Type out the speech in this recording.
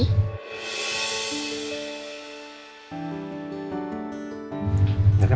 aku seneng deh pak